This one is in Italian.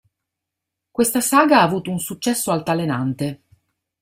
Questa saga ha avuto un successo altalenante.